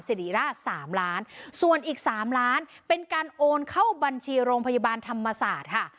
สิริราช๓ล้านบาทส่วนอีก๓ล้านบาทเป็นการโอนเข้าบัญชีโรงพยาบาลธรรมศาสตร์